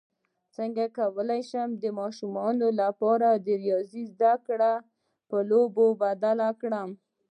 څنګه کولی شم د ماشومانو لپاره د ریاضي زدکړه په لوبو بدله کړم